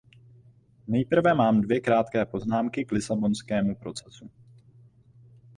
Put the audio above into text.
Nejprve mám dvě krátké poznámky k lisabonskému procesu.